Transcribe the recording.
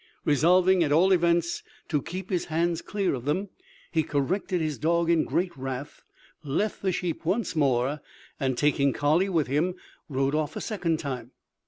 Resolving, at all events, to keep his hands clear of them, he corrected his dog in great wrath, left the sheep once more, and taking colley with him, rode off a second time.